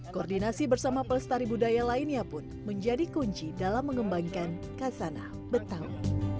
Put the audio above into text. koordinasi bersama pelestari budaya lainnya pun menjadi kunci dalam mengembangkan kasanah betawi